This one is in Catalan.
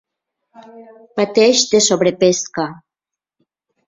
Pateix de sobrepesca.